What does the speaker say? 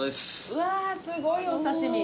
うわすごいお刺身。